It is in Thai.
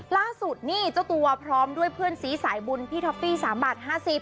ล่าสุดนี่เจ้าตัวพร้อมด้วยเพื่อนสีสายบุญพี่ท็อฟฟี่๓บาท๕๐บาท